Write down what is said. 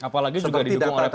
apalagi juga didukung oleh pkb